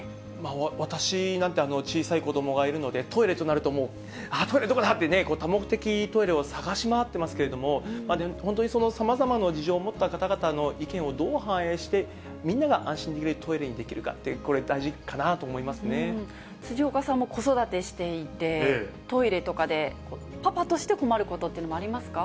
私なんて小さい子どもがいるので、トイレとなるともう、トイレどこだ？って、多目的トイレを探し回ってますけども、本当にさまざまな事情を持った方々の意見をどう反映して、みんなが安心できるトイレにできるかって、これ、大事かなと思い辻岡さんも子育てしていて、トイレとかでパパとして困ることっていうのもありますか？